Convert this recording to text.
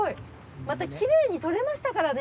またきれいに取れましたからね。